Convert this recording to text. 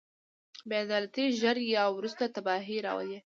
بې عدالتي ژر یا وروسته تباهي راولي.